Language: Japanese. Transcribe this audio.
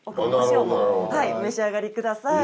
お召し上がりください。